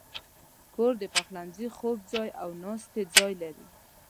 کور د پخلنځي، خوب ځای، او ناستې ځای لري.